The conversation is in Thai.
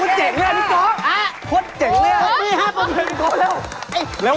คุณเจ๋งเลยครับพี่โก๊ะเร็วเร็วคุณมันน่ะเหมือนได้เกิดใหม่เลย